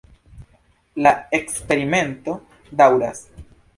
La eksperimento daŭras.